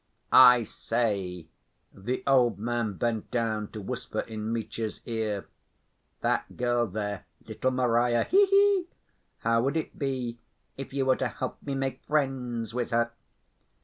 "I say," the old man bent down to whisper in Mitya's ear. "That girl there, little Marya, he he! How would it be if you were to help me make friends with her?"